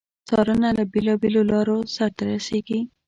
څارنه له بیلو بېلو لارو سرته رسیږي.